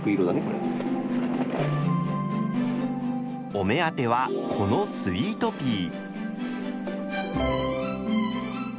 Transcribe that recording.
お目当てはこの「スイートピー」。